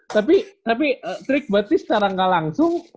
tapi tapi trik berarti sekarang gak langsung